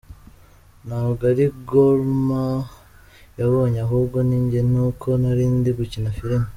Ntabwo ari Gollum yabonye ahubwo ninjye ni uko nari ndi gukina filime.